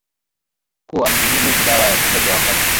kuwa mtegemezi dawa ya kulevya wakati